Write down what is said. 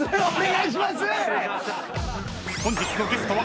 お願いします！